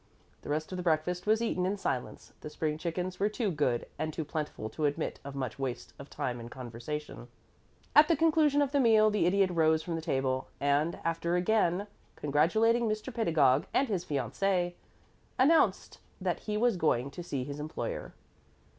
The rest of the breakfast was eaten in silence. The spring chickens were too good and too plentiful to admit of much waste of time in conversation. At the conclusion of the meal the Idiot rose from the table, and, after again congratulating Mr. Pedagog and his fiancée, announced that he was going to see his employer.